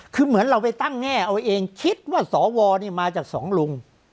คือเหมือนเราไปตั้งแง่เอาเองคิดว่าสวนี่มาจากสองลุง